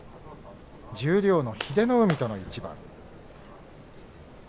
十両の英乃海との一番。